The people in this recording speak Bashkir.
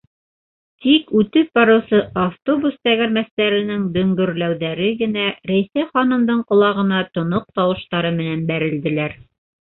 Тик үтеп барыусы автобус тәгәрмәстәренең дөңгөрләүҙәре генә Рәйсә ханымдың ҡолағына тоноҡ тауыштары менән бәрелделәр.